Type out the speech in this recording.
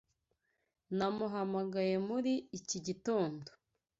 Namuhamagaye muri iki gitondo.